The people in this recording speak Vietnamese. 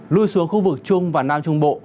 lui xuống khu vực trung và nam trung bộ